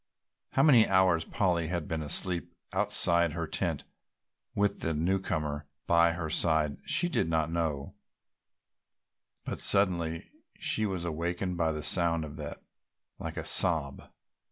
How many hours Polly had been asleep outside her tent with the newcomer by her side she did not know, but suddenly she was awakened by a sound that was like a sob.